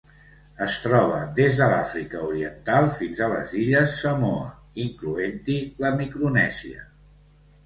Es troba des de l'Àfrica Oriental fins a les illes Samoa, incloent-hi la Micronèsia.